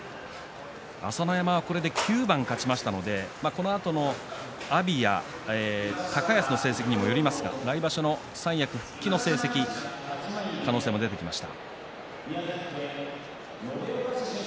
朝乃山はこれで９番勝ちましたのでこのあと阿炎や高安の成績にもよりますが来場所三役復帰の可能性も出てきました。